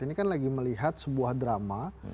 ini kan lagi melihat sebuah drama